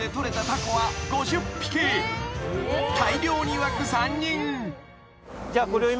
［大漁に沸く３人］